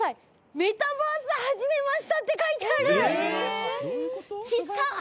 「メタバースはじめました」って書いてある！